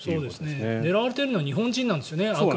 狙われているのはあくまで日本人なんですよね。